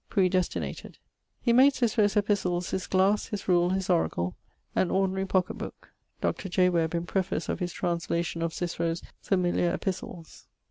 predestinated_.' 'He made Cicero's Epistles his glasse, his rule, his oracle, and ordinarie pocket booke' (Dr. J. Web in preface of his translation of Cicero's Familiar Epistles).